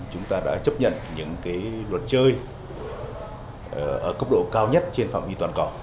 chúng ta đã chấp nhận những luật chơi ở cấp độ cao nhất trên phạm vi toàn cầu